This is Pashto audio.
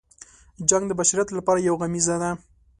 جنګ د بشریت لپاره یو غمیزه ده.